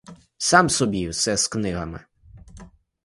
Сам собі все з книгами.